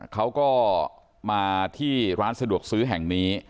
เขาก็มาที่ร้านสะดวกซื้อแห่งนี้